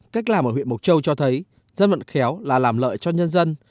cách làm ở huyện mộc châu cho thấy dân vận khéo là làm lợi cho nhân dân